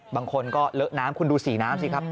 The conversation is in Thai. บางคนก็เลอะน้ำคุณดูสีน้ำสิครับ